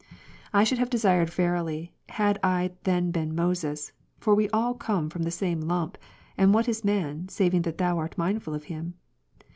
I should have desired verily, had I then been Moses, (for we all come 8, 8. from the same lump, and ivhat is man, saving that Thou art mindful of him